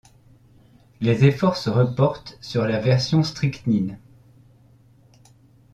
Les efforts se reportent sur la version Strychnine.